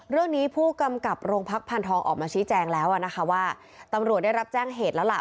เรื่องนี้ผู้กำกับโรงพักพันธองออกมาชี้แจงแล้วนะคะว่าตำรวจได้รับแจ้งเหตุแล้วล่ะ